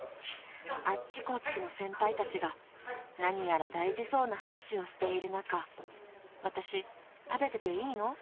［あっちこっちの先輩たちが何やら大事そうな話をしている中私食べてていいの？